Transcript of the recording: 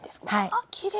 あっきれい！